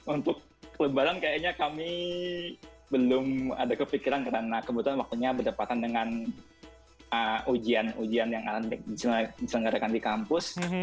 untuk kelebaran kayaknya kami belum ada kepikiran karena kebetulan waktunya berdepatan dengan ujian ujian yang akan diselenggarakan di kampus